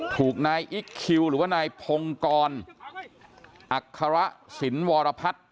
ถูกนายอิ๊กคิวหรือว่านายพงกรอัคระสินวรพัฒน์